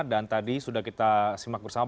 dan tadi sudah kita simak bersama